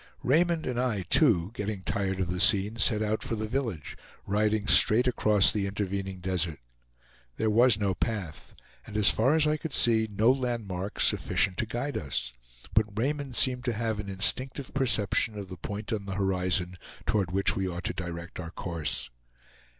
Raymond and I, too, getting tired of the scene, set out for the village, riding straight across the intervening desert. There was no path, and as far as I could see, no landmarks sufficient to guide us; but Raymond seemed to have an instinctive perception of the point on the horizon toward which we ought to direct our course.